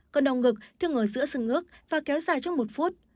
cơn đau ngực thường ở giữa sân ước và kéo dài trong một phút